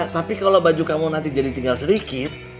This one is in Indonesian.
tapi kalau baju kamu nanti jadi tinggal sedikit